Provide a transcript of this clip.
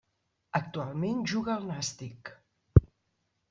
Actualment juga al Nàstic.